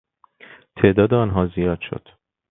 تعداد آنها زیاد شد.